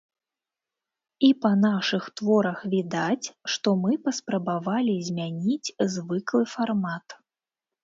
І па нашых творах відаць, што мы паспрабавалі змяніць звыклы фармат.